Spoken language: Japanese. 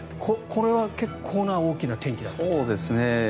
これは結構な大きな転機だったと。